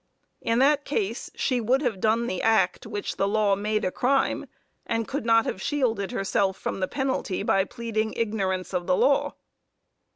In that case she would have done the act which the law made a crime, and could not have shielded herself from the penalty by pleading ignorance of the law.